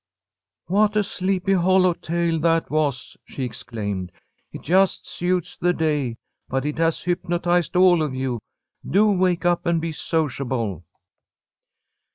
"What a Sleepy Hollow tale that was!" she exclaimed. "It just suits the day, but it has hypnotized all of you. Do wake up and be sociable."